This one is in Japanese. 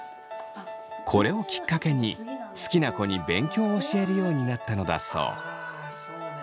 これをきっかけに好きな子に勉強を教えるようになったのだそう。